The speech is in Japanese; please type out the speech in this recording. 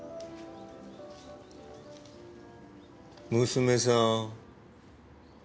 娘さん？